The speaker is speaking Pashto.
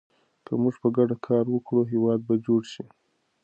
که موږ په ګډه کار وکړو، هېواد به جوړ شي.